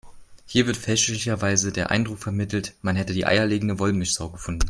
Hier wird fälschlicherweise der Eindruck vermittelt, man hätte die eierlegende Wollmilchsau gefunden.